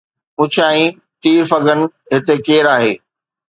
پڇيائين، ”تير فگن هتي ڪير آهي؟